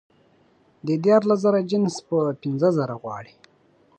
د دیارلس زره جنس په پینځه زره غواړي